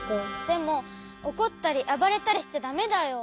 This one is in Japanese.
でもおこったりあばれたりしちゃだめだよ。